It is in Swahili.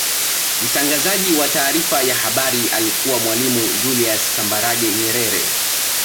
mtangazaji wa taarifa ya habari alikuwa mwalimu julius kambarage nyerere